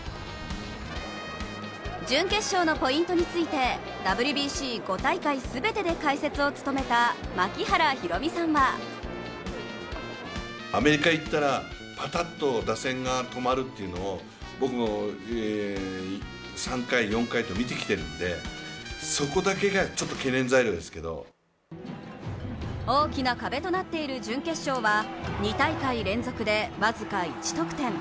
準決勝のポイントについて、ＷＢＣ５大会全てで解説を務めた槙原寛己さんは大きな壁となっている準決勝は２大会連続で僅か１得点。